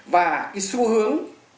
và cái xu hướng